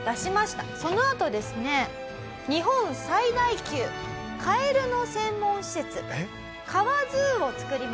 そのあとですね日本最大級カエルの専門施設ＫａｗａＺｏｏをつくります。